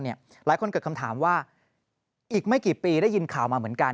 หลายคนเกิดคำถามว่าอีกไม่กี่ปีได้ยินข่าวมาเหมือนกัน